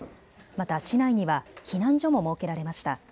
また市内には避難所も設けられました。